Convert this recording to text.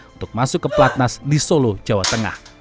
untuk masuk ke pelatnas di solo jawa tengah